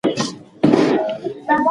ایا تاسي د لمر د تندر په اړه اورېدلي دي؟